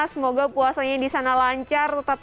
semoga puasanya di sana lancar